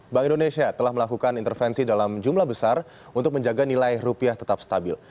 bank indonesia telah melakukan intervensi dalam jumlah besar untuk menjaga nilai rupiah tetap stabil